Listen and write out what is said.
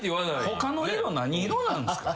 他の色何色なんすか？